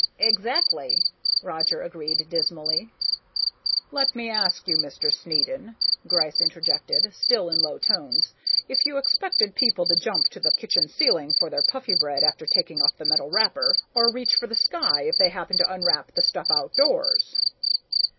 "Exactly," Roger agreed dismally. "Let me ask you, Mr. Snedden," Gryce interjected, still in low tones, "if you expected people to jump to the kitchen ceiling for their Puffybread after taking off the metal wrapper, or reach for the sky if they happened to unwrap the stuff outdoors?"